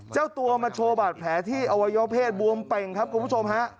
เจ้าตัวมาโชว์บาดแผลที่อวัยวะเพศบวมเป่งครับคุณผู้ชมฮะ